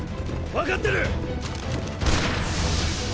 分かってる！